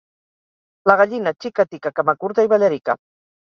La gallina xica, tica, camacurta i ballarica.